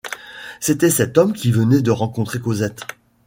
C’était cet homme qui venait de rencontrer Cosette.